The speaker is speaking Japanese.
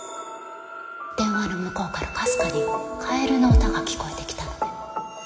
電話の向こうからかすかに「かえるのうた」が聞こえてきたので。